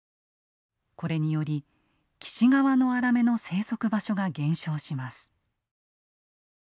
これにより岸側のアラメの生息場所が減少します。